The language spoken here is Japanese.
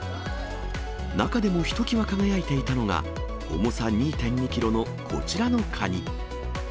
中でもひときわ輝いていたのが、重さ２．２キロのこちらのカニ。